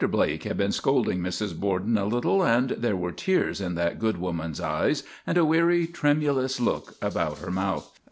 BLAKE had been scolding Mrs. Borden a little, and there were tears in that good woman's eyes and a weary, tremulous look about her mouth.